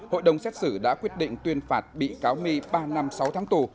hội đồng xét xử đã quyết định tuyên phạt bị cáo my ba năm sáu tháng tù